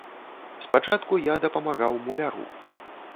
Спачатку я дапамагаў муляру.